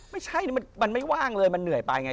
ไม่ใช่มันไม่ว่างเลยมันเหนื่อยไปไง